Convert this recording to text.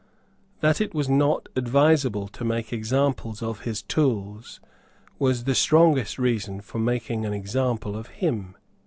That it was not advisable to make examples of his tools was the strongest reason for making an example of him.